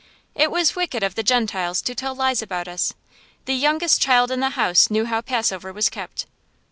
It was wicked of the Gentiles to tell lies about us. The youngest child in the house knew how Passover was kept.